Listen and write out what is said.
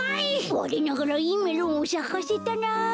われながらいいメロンをさかせたな。